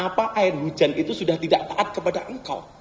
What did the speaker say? apa doa ada air hujan yang tidak disehatkan pada anda